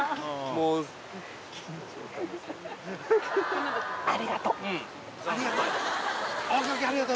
もうありがと